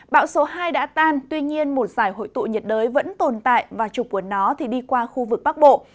bão số hai đã tan tuy nhiên một giải hội tụ nhiệt đới vẫn tồn tại và trục của nó đi qua khu vực bắc bộ